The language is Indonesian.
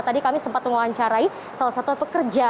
tadi kami sempat mewawancarai salah satu pekerja